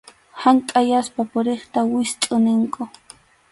Hank’ayaspa puriqta wistʼu ninkum.